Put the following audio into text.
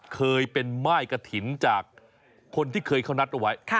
เคยเป็นม่ายกระถิ่นจากคนที่เคยเขานัดเอาไว้